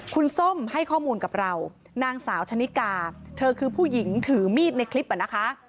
คุณส้มให้ข้อมูลกับเรานางสาวชนิกาเธอคือผู้หญิงถือมีดในคลิปอ่ะนะคะ